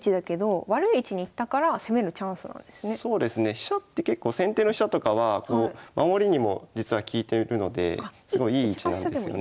飛車って結構先手の飛車とかは守りにも実は利いてるというのですごいいい位置なんですよね。